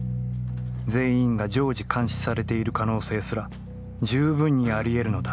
全員が常時監視されている可能性すら、じゅうぶんにありえるのだ。